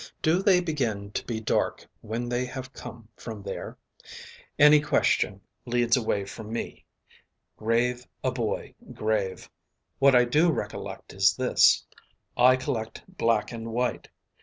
Do they begin to be dark when they have come from there. Any question leads away from me. Grave a boy grave. What I do recollect is this. I collect black and white.